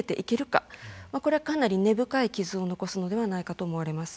これはかなり根深い傷を残すのではないかと思われます。